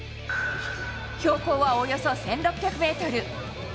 標高はおよそ１６００メートル。